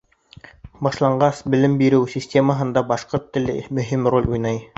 Башланғыс белем биреү системаһында башҡорт теле мөһим роль уйнай.